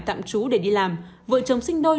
tạm trú để đi làm vợ chồng sinh đôi